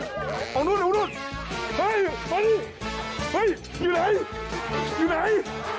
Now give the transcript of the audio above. เฮ้ยมานี้เฮ้ยอยู่ไหนอยู่ไหน